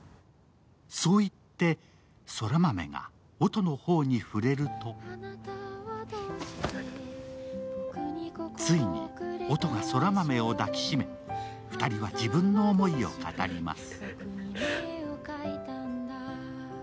そう言って空豆が音の頬に触れるとついに音が空豆を抱き締め、２人は自分の思いを語ります。